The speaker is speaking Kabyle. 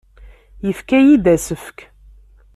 Yefka-iyi-d asefk.